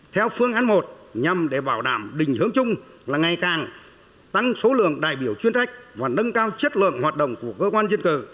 theo phương án một nhằm để bảo đảm đình hướng chung là ngày càng tăng số lượng đại biểu chuyên trách và nâng cao chất lượng hoạt động của cơ quan dân cờ